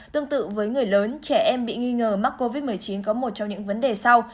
tương tự với người lớn trẻ em bị nghi ngờ mắc covid một mươi chín có một trong những vấn đề sau